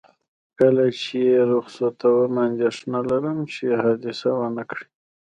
کله چې یې رخصتوم، اندېښنه لرم چې حادثه ونه کړي.